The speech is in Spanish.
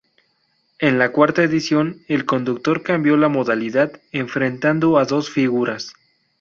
En la cuarta edición el conductor cambió la modalidad, enfrentando a dos figuras.